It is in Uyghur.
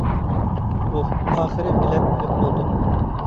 ئۇھ... ئاخىرى بېلەت ئېلىپ بولدۇق.